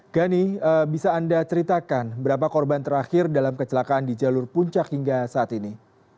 gani bisa anda ceritakan berapa korban terakhir dalam kecelakaan di jalur puncak hingga saat ini